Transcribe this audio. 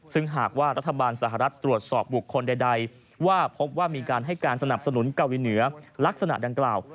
ซึ่งหากว่ารัฐบาลสหรัฐตรวจสอบบุคคลใดว่าพบว่ามีการให้การสนับสนุนเกาหลีเหนือลักษณะดังกล่าว